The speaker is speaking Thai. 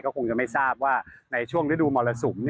คงจะไม่ทราบว่าในช่วงฤดูมรสุม